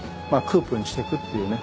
クープにしていくっていうね